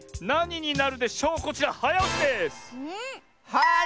はい！